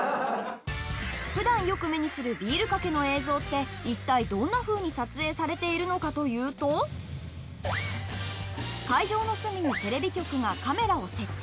ふだんよく目にするビールかけの映像っていったいどんなふうに撮影されているのかというと会場の隅にテレビ局がカメラを設置。